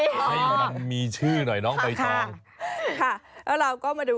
ให้มันมีชื่อหน่อยน้องไปช่อง